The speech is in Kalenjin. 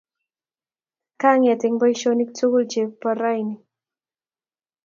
Kaang'et eng' poisyonik tukul che po raini